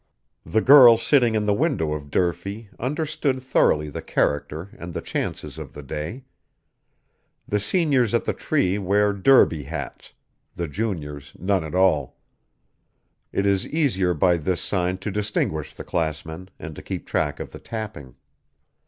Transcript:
The girl sitting in the window of Durfee understood thoroughly the character and the chances of the day. The seniors at the tree wear derby hats; the juniors none at all; it is easier by this sign to distinguish the classmen, and to keep track of the tapping.